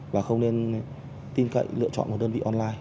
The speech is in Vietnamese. và không nên tin cậy lựa chọn một đơn vị online